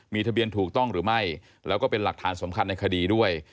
มีทะเบียนถูกต้องหรือไม่แล้วก็เป็นหลักฐานสำคัญในคดีด้วย